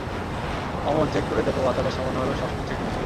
অমর, check করে দেখো বাচ্চাটা সামান্য হলেও শ্বাস নিচ্ছে কি না।